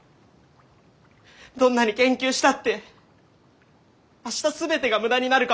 どんなに研究したって明日全てが無駄になるかもしれない。